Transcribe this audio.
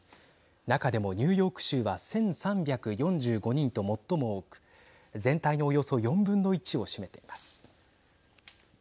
中でも、ニューヨーク州は１３４５人と最も多く全体のおよそ４分の１を占めています。